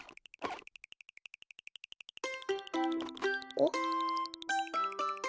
おっ！